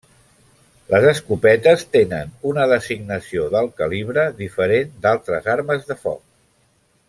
Les escopetes tenen una designació del calibre diferent d'altres armes de foc.